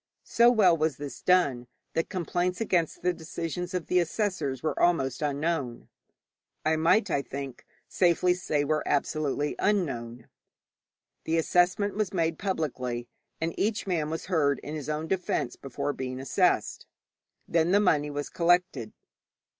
So well was this done, that complaints against the decisions of the assessors were almost unknown I might, I think, safely say were absolutely unknown. The assessment was made publicly, and each man was heard in his own defence before being assessed. Then the money was collected.